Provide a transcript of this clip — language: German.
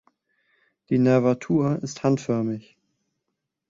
Die Nervatur ist handförmig.